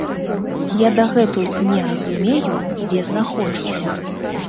Я дагэтуль не разумею, дзе знаходжуся.